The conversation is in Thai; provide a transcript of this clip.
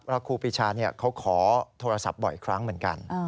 เพราะครูปิชาเนี่ยเขาขอโทรศัพท์บ่อยครั้งเหมือนกัน